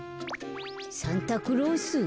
サンタクロース？